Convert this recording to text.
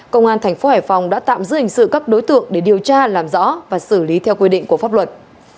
công an thành phố hải phòng đã tạm giữ hình sự các đối tượng để điều tra làm rõ và xử lý theo quy định của pháp luật